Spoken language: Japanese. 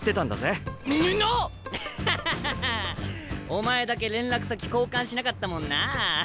お前だけ連絡先交換しなかったもんなあ。